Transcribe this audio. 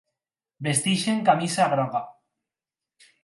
Vesteixen camisa groga.